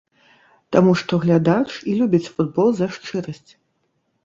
Таму што глядач і любіць футбол за шчырасць.